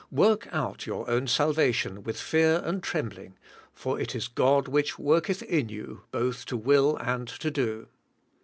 '*Work out your own salvation with fear and trembling for it is God which worketh in you both to will and to do."